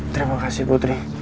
terima kasih putri